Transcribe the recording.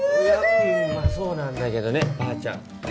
まあそうなんだけどねばあちゃんねえ。